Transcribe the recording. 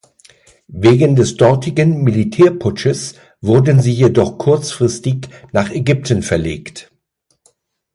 Wegen des dortigen Militärputsches wurden sie jedoch kurzfristig nach Ägypten verlegt.